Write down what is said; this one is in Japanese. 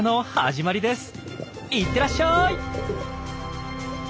行ってらっしゃい。